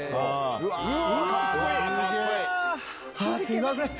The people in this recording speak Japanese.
すいません